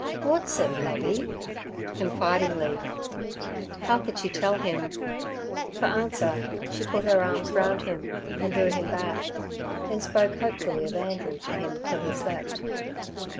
'W'at's it, Lovey?' confidingly. How could she tell him? For answer she put her arms round him and drew him back, then spoke hopefully of Andrew to him till he slept.